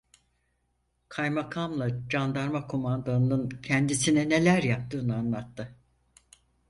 Kaymakamla candarma kumandanının kendisine neler yaptığını anlattı.